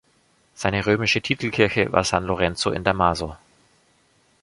Seine römische Titelkirche war San Lorenzo in Damaso.